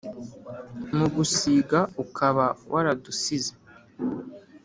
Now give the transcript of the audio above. Mu gusiga ukaba waradusize